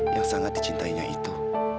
yang sangat dicintainya itu